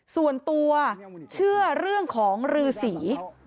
ส่วนตัวเชื่อเรื่องของรือสี